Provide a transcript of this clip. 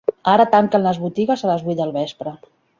Ara tanquen les botigues a les vuit del vespre.